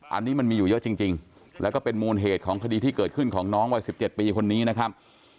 อันนี้มันมีอยู่เยอะจริงแล้วก็เป็นมูลเหตุของคดีที่เกิดขึ้นของน้องวัย๑๗ปีคนนี้นะครับ